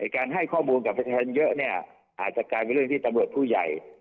การให้ข้อมูลกับประชาชนเยอะเนี่ยอาจจะกลายเป็นเรื่องที่ตำรวจผู้ใหญ่